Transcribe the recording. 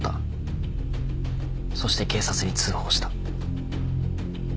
そして警察に通報した。